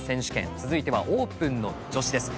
続いてはオープンの女子です。